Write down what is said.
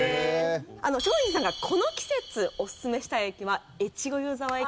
松陰寺さんがこの季節おすすめしたい駅は越後湯沢駅。